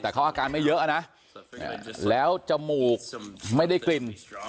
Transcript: แต่เขาอาการไม่เยอะนะแล้วจมูกไม่ได้กลิ่น